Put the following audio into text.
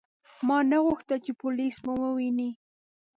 ما نه غوښتل چې پولیس مو وویني.